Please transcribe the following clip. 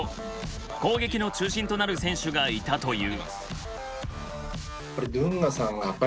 攻撃の中心となる選手がいたという。